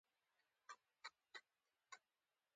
آیا موږ بدیل لرو؟